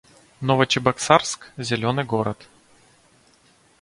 Новочебоксарск — зелёный город